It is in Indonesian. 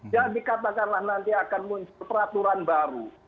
jadi katakanlah nanti akan muncul peraturan baru